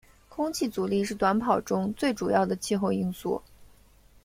空气阻力是短跑中最主要的气候因素。